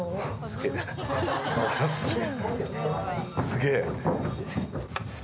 すげえ。